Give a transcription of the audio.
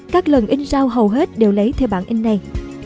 các lần in rau hầu hết đều lấy theo bản in này